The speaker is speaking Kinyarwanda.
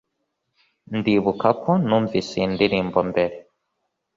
Ndibuka ko numvise iyi ndirimbo mbere